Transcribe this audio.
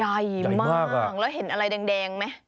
ใหญ่มากแล้วเห็นอะไรแดงไหม